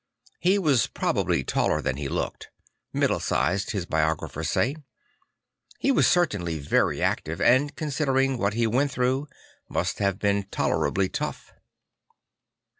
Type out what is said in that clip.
He was probably taller than he looked; middle sized, his biographers say; he was certainly very active and, considering what he went through, Inust have been tolerably tough.